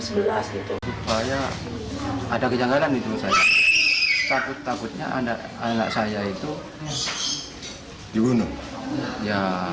supaya ada kejanggalan di rumah saya takut takutnya anak saya itu dihubungi